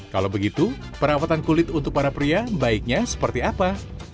kalau begitu perawatan kulit untuk para pria baiknya seperti apa